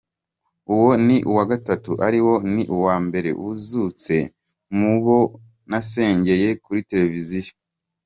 Uwo ni uwa gatatu, ariko ni uwa mbere uzutse mu bo nasengeye kuri Televiziyo.